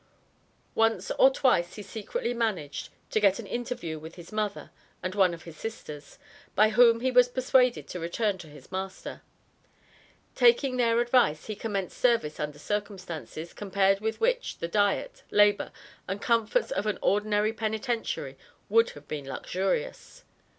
Once or twice he secretly managed to get an interview with his mother and one of his sisters, by whom he was persuaded to return to his master. Taking their advice, he commenced service under circumstances, compared with which, the diet, labor and comforts of an ordinary penitentiary would have been luxurious.